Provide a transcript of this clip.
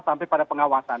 sampai pada pengawasan